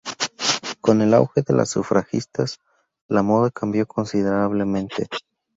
Con el auge de las sufragistas, la moda cambió considerablemente.